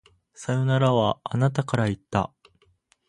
さよならは、あなたから言った。